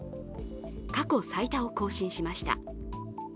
過去最多を更新しました。